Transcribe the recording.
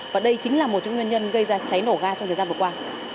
và đây chính là một nguyên nhân gây ra cháy nổ ga trong thời gian vừa qua